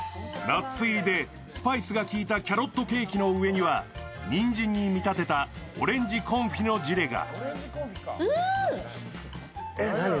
ナッツ入りでスパイスが利いたキャロットケーキの上にはにんじんに見立てたオレンジコンフィのジュレが。